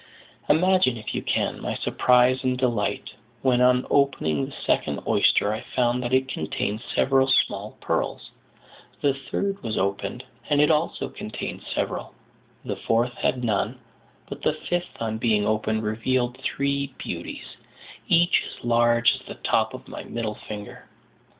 Imagine, if you can, my surprise and delight when on opening the second oyster I found that it contained several small pearls; the third was opened, and it also contained several; the fourth had none, but the fifth on being opened revealed three beauties, each as large as the top of my middle finger.